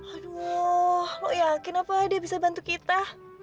aduh lo yakin apa dia bisa bantu kita